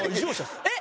えっ？